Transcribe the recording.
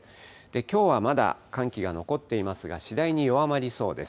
きょうはまだ寒気が残っていますが、次第に弱まりそうです。